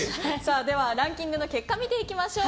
では、ランキングの結果を見ていきましょう。